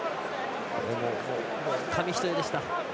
紙一重でした。